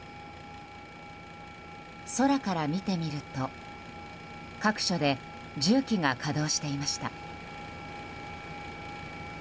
空から見てみると各所で重機が稼働していました。